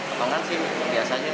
kalau kan sih biasa aja